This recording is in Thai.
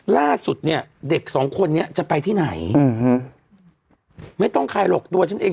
ล่าสุดเนี่ยเด็กสองคนนี้จะไปที่ไหนอืมไม่ต้องใครหรอกตัวฉันเอง